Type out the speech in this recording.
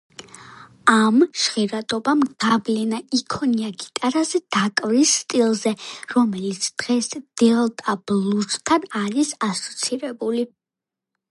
ამ ჟღერადობამ გავლენა იქონია გიტარაზე დაკვრის სტილზე, რომელიც დღეს დელტა ბლუზთან არის ასოცირებული.